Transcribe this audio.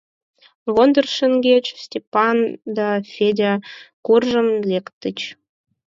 Вондер шеҥгеч Степа ден Федя куржын лектыч.